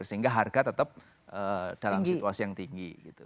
sehingga harga tetap dalam situasi yang tinggi gitu